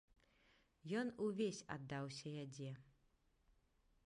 Ён увесь аддаўся ядзе.